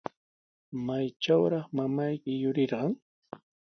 ¿Maytrawtaq mamayki yurirqan?